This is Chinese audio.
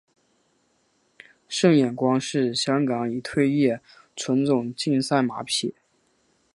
胜眼光是香港已退役纯种竞赛马匹。